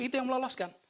itu yang meloloskan